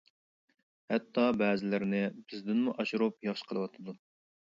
ھەتتا بەزىلىرىنى بىزدىنمۇ ئاشۇرۇپ ياخشى قىلىۋاتىدۇ!